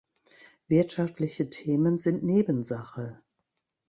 Wirtschaftliche Themen sind Nebensache.